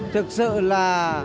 thực sự là